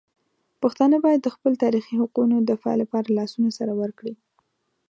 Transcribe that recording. پښتانه باید د خپل تاریخي حقونو دفاع لپاره لاسونه سره ورکړي.